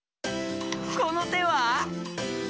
このては？